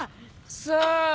さあ。